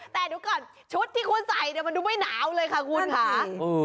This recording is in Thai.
แต่เดี๋ยวก่อนชุดที่คุณใส่มันดูไม่หนาวเลยค่ะคุณค่ะ